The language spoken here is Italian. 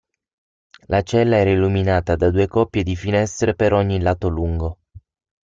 La cella era illuminata da due coppie di finestre per ogni lato lungo.